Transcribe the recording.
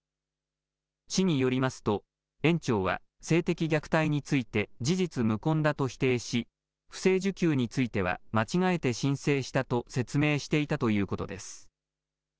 市によりますと園長は性的虐待について事実無根だと否定し不正受給については間違えて申請したと説明していたということです。